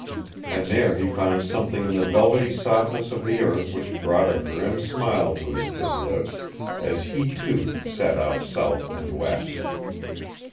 And there he found something in the velvety softness of the earth which brought a grim smile to his thin lips as he, too, set out south and west.